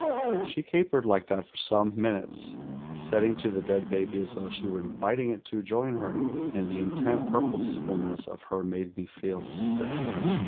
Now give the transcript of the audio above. "She capered like that for some minutes, setting to the dead baby as though she were in\iting it to join her, and the intent purposefulness of her made me feel sick.